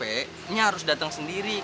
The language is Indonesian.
ini harus dateng sendiri ya